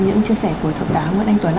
những chia sẻ của thầm đá nguyễn anh tuấn